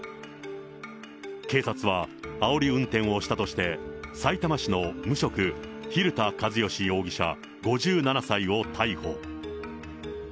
警察はあおり運転をしたとして、さいたま市の無職、蛭田和良容疑者５７歳を逮捕。